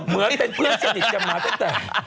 เหมือนเป็นเพื่อนสนิทกันมาตั้งแต่